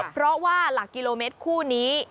เพราะว่าหลักกิโลเมตรคู่นี้